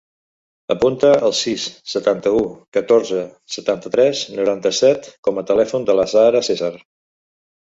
Apunta el sis, setanta-u, catorze, setanta-tres, noranta-set com a telèfon de l'Azahara Cesar.